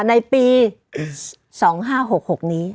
ในปี๒๕๖๖นี้